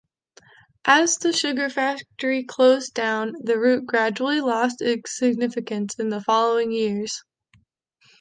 As the sugar factory closed down, the route gradually lost its significance in the following years.